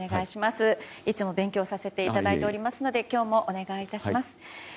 いつも勉強させていただいておりますので今日もお願いいたします。